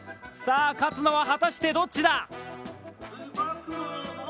勝つのは果たしてどっちだ？